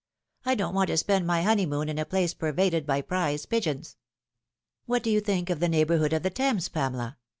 I don't want to spend my honeymoon in a place pervaded by prize pigeons." " What do you think of the neighbourhood of the Thames, Pamela